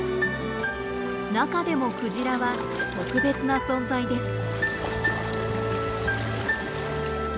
中でもクジラは特別な存在です。